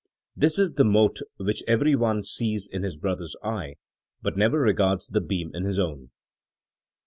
... This is the mote which every one sees in his brother *s eye, but never regards the beam in his own.